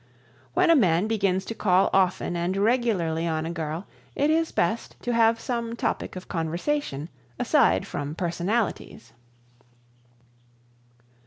When a man begins to call often and regularly on a girl it is best to have some topic of conversation aside from personalities.